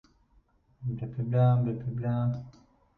Yesterday they went to the cinema to watch a new film.